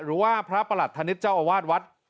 หรือว่าพระประหลัดธนิษฐ์เจ้าอาวาสวัด